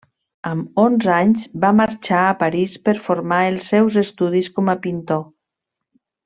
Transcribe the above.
Amb onze anys va marxar a París per formar els seus estudis com a pintor.